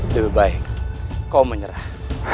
lebih baik kau menyerah